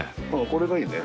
これがいいね。